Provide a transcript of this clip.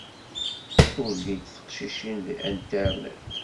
Ur llint teqcicin deg Internet.